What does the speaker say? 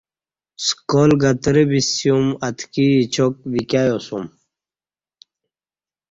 سکال گترہ بسیوم اتکی اچاک ویکہ یاسوم